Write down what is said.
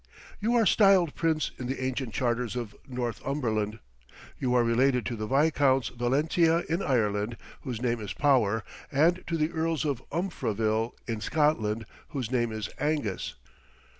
You are styled prince in the ancient charters of Northumberland. You are related to the Viscounts Valentia in Ireland, whose name is Power; and to the Earls of Umfraville in Scotland, whose name is Angus.